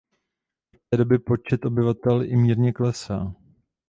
Od té doby počet obyvatel i mírně klesá.